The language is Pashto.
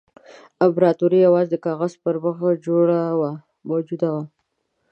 امپراطوري یوازې د کاغذ پر مخ موجوده وه.